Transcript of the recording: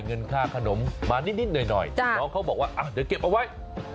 เงินค่าขนมมานิดหน่อยน้องเขาบอกว่าเดี๋ยวเก็บเอาไว้